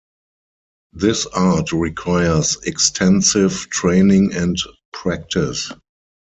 This art requires extensive training and practise.